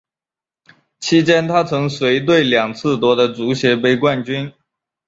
期间她曾随队两次夺得足协杯冠军。